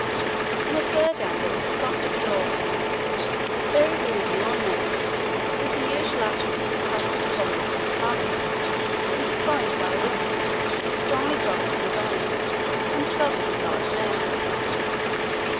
In a third angle was a Gothic door, very rudely ornamented with the usual attributes of clustered columns and carving, and defended by a wicket, strongly guarded with iron, and studded with large nails.